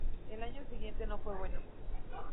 El año siguiente no fue bueno.